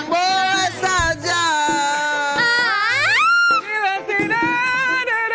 kalau ada perutnya